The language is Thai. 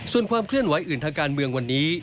ส่วนความเคลื่อนไหวอื่นทางการเมืองวันนี้